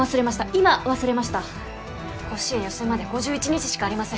今忘れました甲子園予選まで５１日しかありません